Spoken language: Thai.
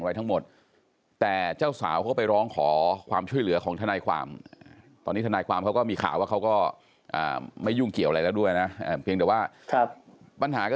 เห็นคุณแม่คุณท็อปบอกว่าลูกชายไปรู้ความลับอะไรบางอย่าง